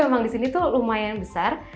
jadi memang di sini tuh lumayan besar